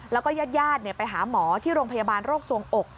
แล้วก็ญาติไปหาหมอที่โรงพยาบาลโรคสวงอก